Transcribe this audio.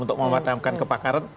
untuk memadamkan kebakaran